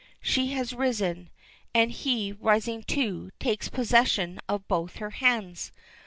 She has risen, and he, rising too, takes possession of both her hands.